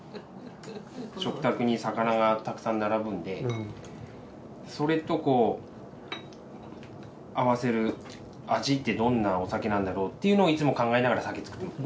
食卓に魚がたくさん並ぶんでそれと合わせる味ってどんなお酒なんだろうっていうのをいつも考えながら酒造って。